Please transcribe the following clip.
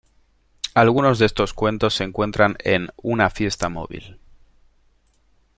Algunos de estos cuentos se encuentran en "Una fiesta móvil".